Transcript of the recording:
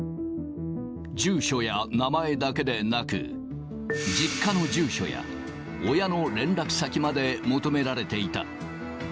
住所や名前だけでなく、実家の住所や、親の連絡先まで求められていた。